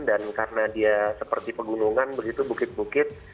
dan karena dia seperti pegunungan begitu bukit bukit